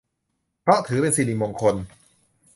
เพราะถือเป็นสิริมงคล